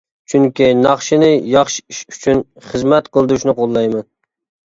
چۈنكى ناخشىنى ياخشى ئىش ئۈچۈن خىزمەت قىلدۇرۇشنى قوللايمەن!